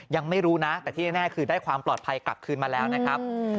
ยังไม่รู้นะแต่ที่แน่คือได้ความปลอดภัยกลับคืนมาแล้วนะครับ